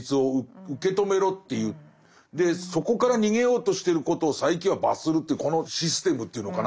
でそこから逃げようとしてることを佐柄木は罰するというこのシステムというのかな。